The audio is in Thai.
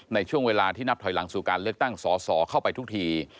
ในช่วงเวลาที่นับถอยหลังสู่การเลือกตั้งสอสอเข้าไปทุกที